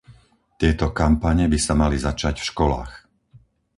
Tieto kampane by sa mali začať v školách.